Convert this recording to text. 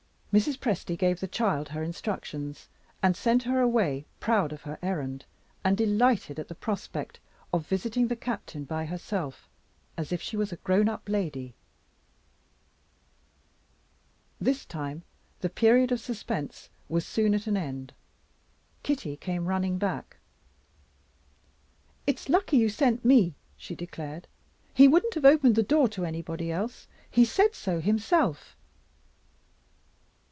Mrs. Presty gave the child her instructions, and sent her away proud of her errand, and delighted at the prospect of visiting the Captain by herself, as if she "was a grown up lady." This time the period of suspense was soon at an end. Kitty came running back. "It's lucky you sent me," she declared. "He wouldn't have opened the door to anybody else he said so himself."